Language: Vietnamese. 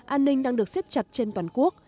an ninh đang được xếp chặt trên toàn quốc